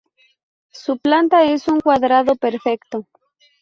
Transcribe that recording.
Su planta es un cuadrado perfecto.